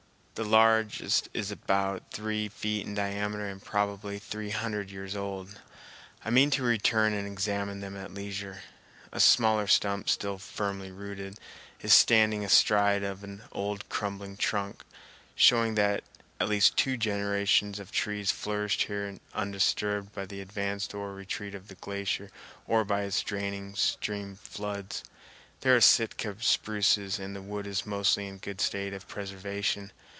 The largest is about three feet in diameter and probably three hundred years old. I mean to return and examine them at leisure. A smaller stump, still firmly rooted, is standing astride of an old crumbling trunk, showing that at least two generations of trees flourished here undisturbed by the advance or retreat of the glacier or by its draining stream floods. They are Sitka spruces and the wood is mostly in a good state of preservation.